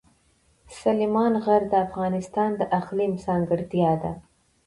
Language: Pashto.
سلیمان غر د افغانستان د اقلیم ځانګړتیا ده.